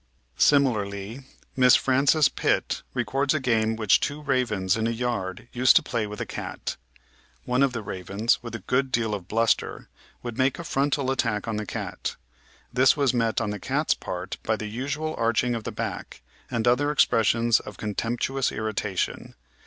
Similarly, Miss Frances Pitt records a game which two ravens in a yard used to play with a cat. One of the ravens, with a good deal of bluster, would make a frontal attack on the cat. This was met on the cat's part by the usual arching of the back and other expressions of contemptuous irritation.